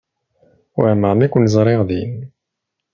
Wehmeɣ mi ken-ẓriɣ din.